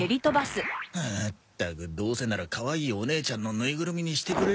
ったくどうせならかわいいお姉ちゃんのぬいぐるみにしてくれりゃ。